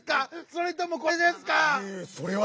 それとも「これ」ですか？